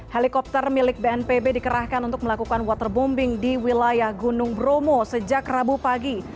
helikopter milik bnpb dikerahkan untuk melakukan waterbombing di wilayah gunung bromo sejak rabu pagi